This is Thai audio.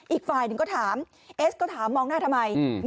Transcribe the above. อีกฝ่ายหนึ่งก็ถามเอสก็ถามมองหน้าทำไม